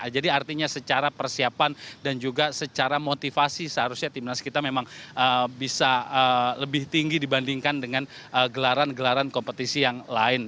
jadi artinya secara persiapan dan juga secara motivasi seharusnya timnas kita memang bisa lebih tinggi dibandingkan dengan gelaran gelaran kompetisi yang lain